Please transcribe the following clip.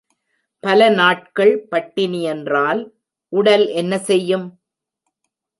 பல நாட்கள் பட்டினி என்றால் உடல் என்ன செய்யும்?